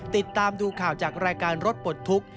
ติดตามดูข่าวจากรายการรถปลดทุกข์